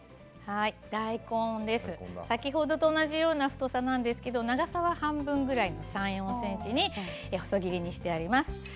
大根は先ほどと同じような太さなんですが長さは半分ぐらい３、４ｃｍの細切りにしています。